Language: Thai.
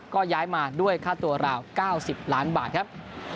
ก็ย้ายมาด้วยค่าตัวราว๙๐ล้านบาทครับ